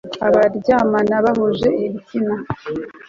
abaryamana bahuje ibitsina